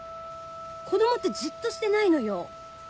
子供ってじっとしてないのよ。